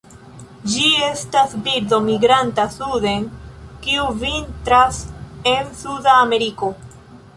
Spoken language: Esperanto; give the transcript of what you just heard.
Ĝi estas birdo migranta suden kiu vintras en Suda Ameriko.